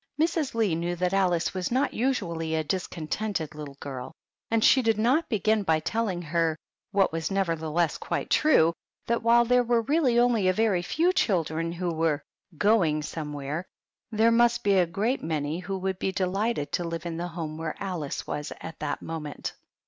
Mrs. Lee knew that Alice was not usually a discontented little girl, and she did not begin by telling her — what was nevertheless quite true — that, while there were really only a very few children who were "going somewhere," there must be a great many who would be delighted to live in the home where Alice was at that moment.